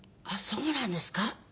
あっそうなんですか？